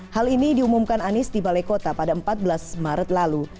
hal ini diumumkan anies di balai kota pada empat belas maret lalu